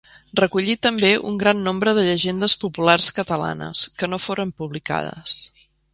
Recollí també un gran nombre de llegendes populars catalanes, que no foren publicades.